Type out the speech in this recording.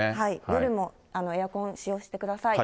夜もエアコン使用してください。